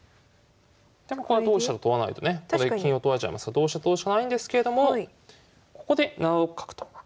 これは同飛車と取らないとね金を取られちゃいますから同飛車と取るしかないんですけれどもここで７六角と出てきます。